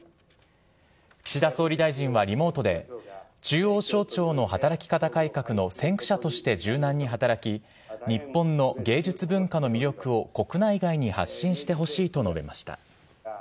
岸田総理大臣はリモートで、中央省庁の働き方改革の先駆者として柔軟に働き、日本の芸術文化の魅力を国内外に発信してほしいと述べました。